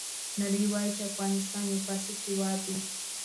نړۍ وایي چې افغانستان یو فاسد هېواد دی.